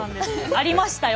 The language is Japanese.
ありましたよ